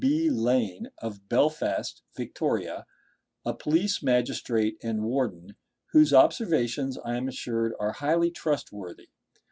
B. Lane, of Belfast, Victoria, a police magistrate and warden, whose observations, as I am assured, are highly trustworthy.